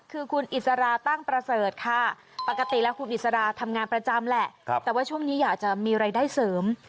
คือคุณอิสราตั้งประเสริฐค่ะปกติแล้วคุณอิสราทำงานประจำแหละแต่ว่าช่วงนี้อยากจะมีรายได้เสริม